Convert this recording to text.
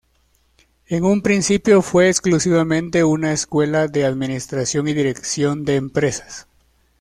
En un principio fue exclusivamente una escuela de Administración y Dirección de Empresas.